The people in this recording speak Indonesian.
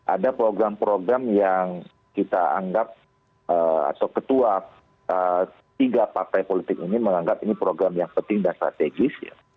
ada program program yang kita anggap atau ketua tiga partai politik ini menganggap ini program yang penting dan strategis